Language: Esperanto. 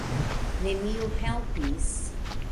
Neniu helpis.